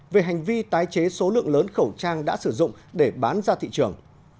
về hành vi tái chế số lượng lớn khẩu trang đã sử dụng để bán ra thị trường